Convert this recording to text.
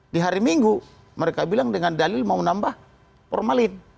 di hari minggu mereka bilang dengan dalil mau nambah formalin